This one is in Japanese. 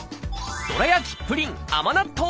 どら焼きプリン甘納豆。